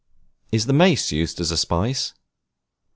Is the Mace used as a spice?